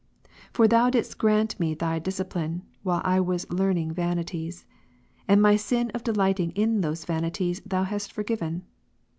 For Thou didst grant me Thy discipline, while I was learning vanities ; and my sin of delighting in those vanities Thou hast forgiven.